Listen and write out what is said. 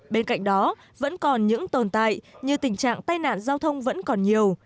bên cạnh đó vẫn còn những tồn tại như tình trạng tai nạn giao thông vẫn còn nhiều